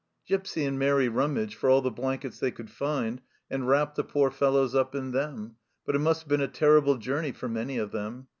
Gipsy and Mairi rummaged for all the blankets they could find, and wrapped the poor fellows up in them ; but it must have been a terrible journey for many of them.